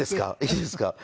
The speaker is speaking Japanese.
いいですか？